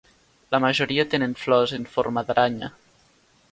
La majoria tenen flors en forma d'aranya.